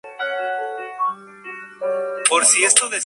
Fluye hacia el oeste, desembocando en una bahía del embalse del Kama.